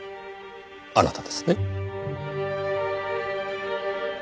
あなたですね？